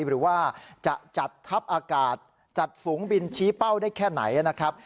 หรือว่าจะจัดทัพอากาศจัดฝูงบินชี้เป้าได้แค่ไหนนะครับ